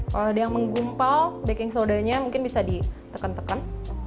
kalau ada yang menggumpal baking sodanya mungkin bisa ditekan tekan